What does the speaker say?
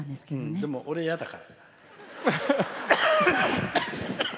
でも俺やだから。